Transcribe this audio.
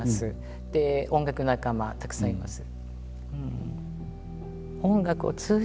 音楽仲間たくさんいます。